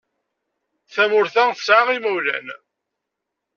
Tamurt-a tesɛa imawlan.